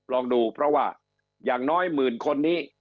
ลองดูเพราะว่าอย่างน้อยหมื่นคนนี้